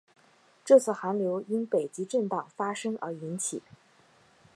这次寒流因北极震荡发生而引起。